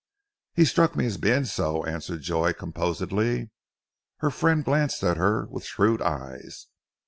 "He struck me as being so!" answered Joy composedly. Her friend glanced at her with shrewd eyes.